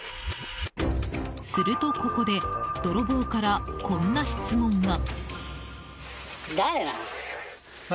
すると、ここで泥棒からこんな質問が。